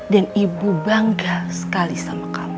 dan ibu bangga sekali sama kamu